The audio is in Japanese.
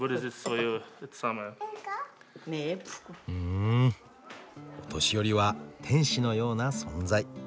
んお年寄りは天使のような存在。